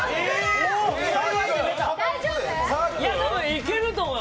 多分、いけると思う！